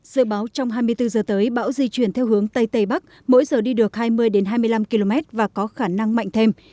sự báo trong hai mươi bốn h tới bão di chuyển theo hướng tây tây bắc mỗi giờ đi được hai mươi hai mươi năm km và có khả năng mạnh thêm